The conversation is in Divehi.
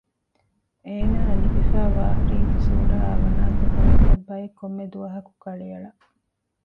އޭނާއަށް ލިބިފައިވާ ރީތި ސޫރައާއި ވަނާތަކަށް އެތަށް ބައެއް ކޮންމެ ދުވަހަކު ކަޅިއަޅަ